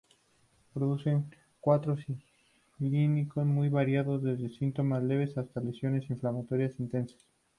Producen cuadros clínicos muy variados, desde síntomas leves hasta lesiones inflamatorias intensas.